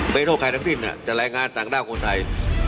ไม่โทษใครทั้งสิ้นแต่แรงงานต่างด้าวคนไทย